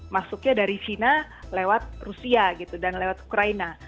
masuknya dari china lewat rusia gitu dan lewat ukraina